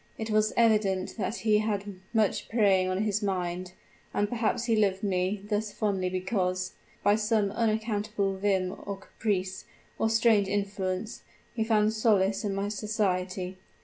It was evident that he had much preying upon his mind; and perhaps he loved me thus fondly because by some unaccountable whim or caprice, or strange influence he found solace in my society.